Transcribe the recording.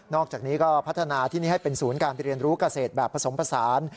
อกจากนี้ก็พัฒนาที่นี่ให้เป็นศูนย์การไปเรียนรู้เกษตรแบบผสมผสาน